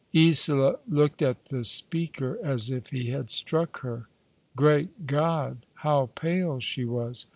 Isola looked at the speaker as if he had struck her. Great God, how pale she was!